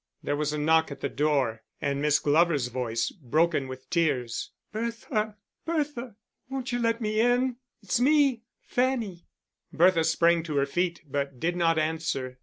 There was a knock at the door, and Miss Glover's voice, broken with tears, "Bertha, Bertha, wont you let me in? It's me Fanny." Bertha sprang to her feet, but did not answer.